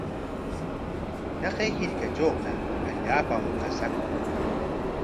Taqay hirkatrawqa allaapam qasaakun.